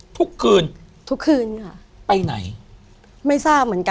ใช่ค่ะ